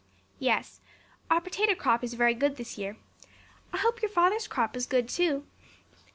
"Yes. Our potato crop is very good this year. I hope your father's crop is good too."